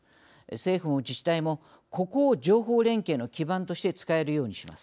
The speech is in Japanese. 政府も自治体もここを情報連携の基盤として使えるようにします。